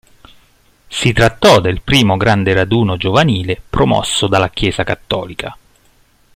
Si trattò del primo grande raduno giovanile promosso dalla Chiesa cattolica.